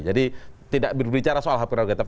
jadi tidak berbicara soal hak prerogatif